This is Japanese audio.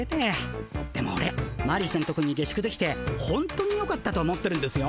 でもオレマリーさんとこに下宿できてほんとによかったと思ってるんですよ。